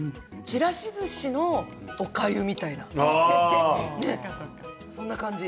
ちらしずしのおかゆみたいな感じ。